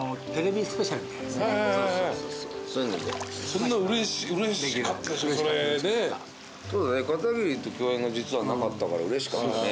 そうだね片桐と共演が実はなかったからうれしかったね。